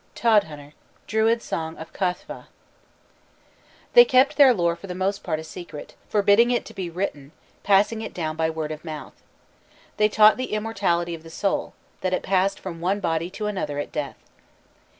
TODHUNTER: Druid song of Cathvah. They kept their lore for the most part a secret, forbidding it to be written, passing it down by word of mouth. They taught the immortality of the soul, that it passed from one body to another at death.